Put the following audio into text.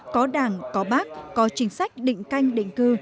có đảng có bác có chính sách định canh định cư